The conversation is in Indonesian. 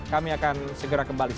kami akan segera kembali